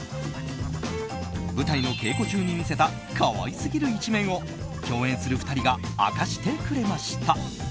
舞台のけいこ中に見せた可愛すぎる一面を共演する２人が明かしてくれました。